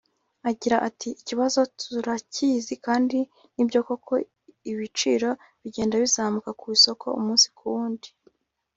Agira ati “Iki kibazo turacyizi kandi nibyo koko ibiciro bigenda bizamuka ku isoko umunsi ku wundi